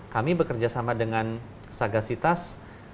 kami bekerja sama dengan saga sitas